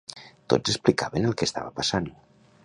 Tots explicaven el que estava passant.